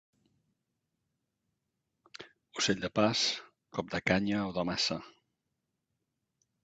Ocell de pas, cop de canya o de maça.